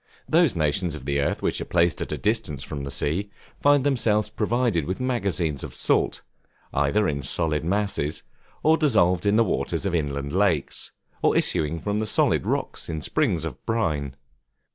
Those nations of the earth which are placed at a distance from the sea, find themselves provided with magazines of salt, either in solid masses, or dissolved in the waters of inland lakes, or issuing from the solid rocks in springs of brine.